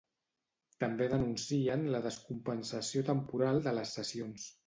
També denuncien la descompensació temporal de les sessions.